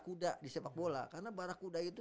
kuda di sepak bola karena barah kuda itu